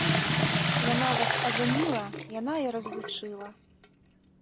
Яна вас ажаніла, яна і разлучыла.